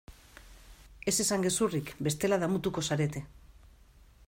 Ez esan gezurrik bestela damutuko zarete.